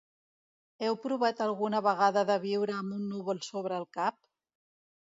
Heu provat alguna vegada de viure amb un núvol sobre el cap?